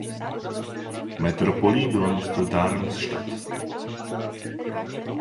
Metropolí bylo město Darmstadt.